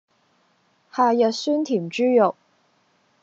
夏日酸甜豬肉